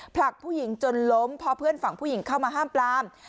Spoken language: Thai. ผลักผู้หญิงจนล้มพอเพื่อนฝั่งผู้หญิงเข้ามาห้ามปลาม